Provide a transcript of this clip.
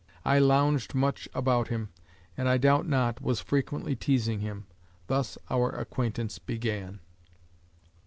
I lounged much about him, and, I doubt not, was frequently teasing him. Thus our acquaintance began.